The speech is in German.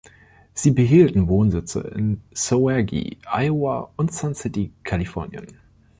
Sie behielten Wohnsitze in Soage, Iowa und Sun City, Kalifornien.